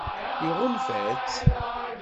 Iɣunfa-tt?